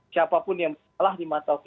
siapapun yang salah di mata